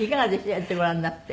やってごらんになって。